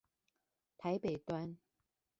台北端